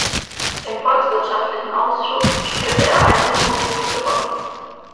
Im volkswirtschaftlichen Ausschuss spielte er eine nicht unwichtige Rolle.